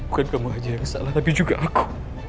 bukan kamu aja yang salah tapi juga aku